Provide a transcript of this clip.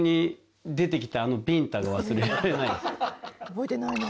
「覚えてないな」